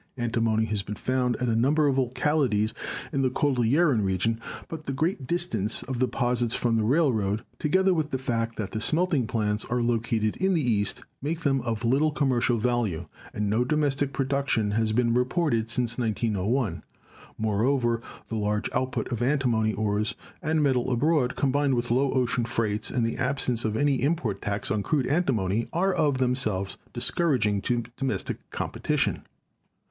Antimony has been found at a number of localities in the Cordilleran region, but the great distance of the deposits from the railroad, together with the fact that the smelting plants are located in the East, make them of little commercial value, and no domestic production has been reported since 1901. Moreover, the large out put of antimony ores and metal abroad, combined with low ocean freights and the absence of any import tax on crude antimony, are of themselves discouraging to do mestic competition.